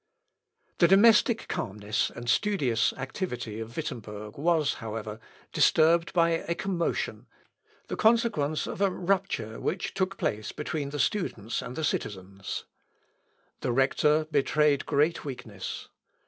The domestic calmness and studious activity of Wittemberg was, however, disturbed by a commotion, the consequence of a rupture which took place between the students and the citizens. The Rector betrayed great weakness.